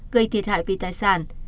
gây thiệt hại về tài sản